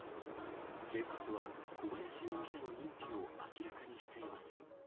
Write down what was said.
警察は、小林容疑者の認否を明らかにしていません。